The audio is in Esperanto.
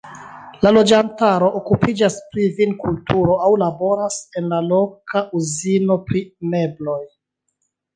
La loĝantaro okupiĝas pri vinkulturo aŭ laboras en la loka uzino pri mebloj.